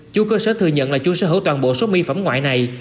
chủ cơ sở thừa nhận là chủ sở hữu toàn bộ số mỹ phẩm ngoại này